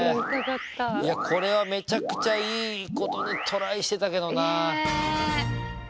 いやこれはめちゃくちゃいいことにトライしてたけどな。